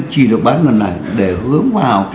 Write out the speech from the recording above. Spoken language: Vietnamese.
chỉ được bán lần này để hướng vào